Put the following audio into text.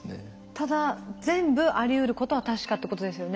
ただ全部ありうることは確かってことですよね。